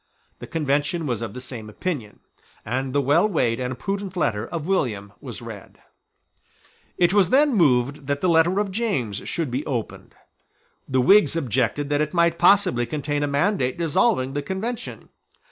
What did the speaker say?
The Convention was of the same opinion; and the well weighed and prudent letter of William was read. It was then moved that the letter of James should be opened. The Whigs objected that it might possibly contain a mandate dissolving the Convention.